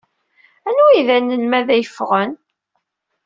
Anwa ay d anelmad ay yeffɣen?